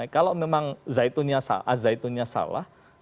kalau memang zaitunnya salah